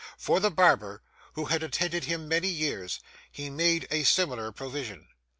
For the barber, who had attended him many years, he made a similar provision.